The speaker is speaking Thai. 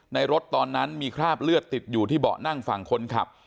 รถตอนนั้นมีคราบเลือดติดอยู่ที่เบาะนั่งฝั่งคนขับ